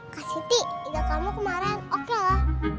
kak siti hidup kamu kemaren oke lah